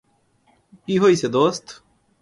কি হইছে দোস্ত?